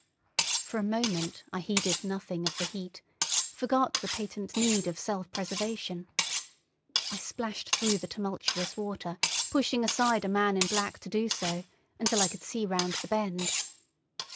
For a moment I heeded nothing of the heat, forgot the patent need of self preservation. I splashed through the tumultuous water, pushing aside a man in black to do so, until I could see round the bend.